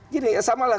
gini ya sama lah